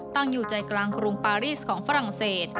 ตั้งอยู่ใจกลางกรุงปารีสของฝรั่งเศส